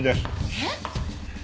えっ？